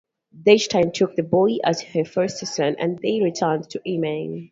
Deichtine took the boy as her foster-son and they returned to Emain.